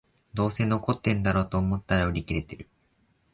どうせ残ってんだろと思ったら売り切れてる